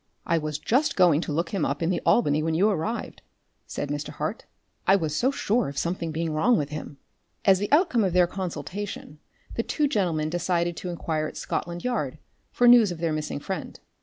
"I was just going to look him up in the Albany when you arrived," said Mr. Hart. "I was so sure of something being wrong with him." As the outcome of their consultation the two gentlemen decided to inquire at Scotland Yard for news of their missing friend.